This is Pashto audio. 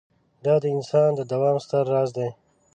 دا د انسان د دوام ستر راز دی.